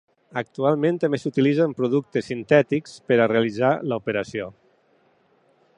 Actualment, també s'utilitzen productes sintètics per a realitzar l'operació.